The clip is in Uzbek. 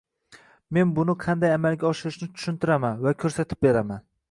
men buni qanday amalga oshirishni tushuntiraman va koʻrsatib beraman.